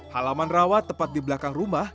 halaman rawat tepat di belakang rumah